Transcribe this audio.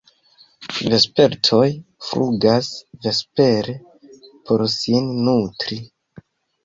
Vespertoj flugas vespere por sin nutri.